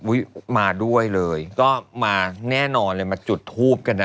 มาด้วยเลยก็มาแน่นอนเลยมาจุดทูบกันนะ